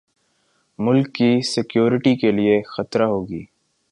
ملک کی سیکیورٹی کے لیے خطرہ ہوگی